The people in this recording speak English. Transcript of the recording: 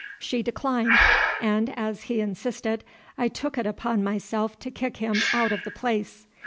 She declined and, as he insisted, I took it upon myself to kick him out of the place.